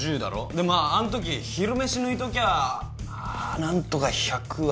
でまああんとき昼飯抜いときゃ何とか１００はいけたか。